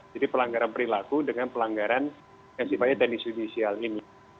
jadi pelanggaran perilaku dengan pelanggaran yang sifatnya teknis judisial ini